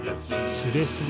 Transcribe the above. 「スレスレ」